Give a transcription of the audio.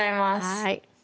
はい。